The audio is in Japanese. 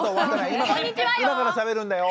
今からしゃべるんだよ。